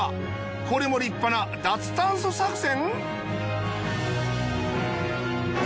これも立派な脱炭素作戦？